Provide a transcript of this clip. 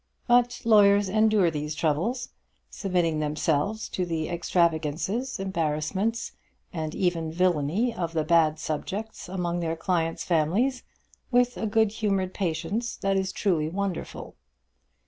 But lawyers endure these troubles, submitting themselves to the extravagances, embarrassments, and even villany of the bad subjects among their clients' families, with a good humoured patience that is truly wonderful.